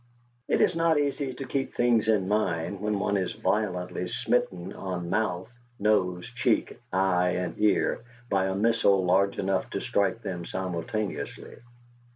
It is not easy to keep things in mind when one is violently smitten on mouth, nose, cheek, eye, and ear by a missile large enough to strike them simultaneously.